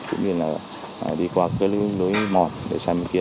cũng như là đi qua các lưới mòn để sang bên kia